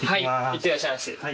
いってらっしゃいませ。